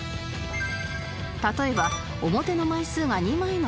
例えば表の枚数が２枚の場合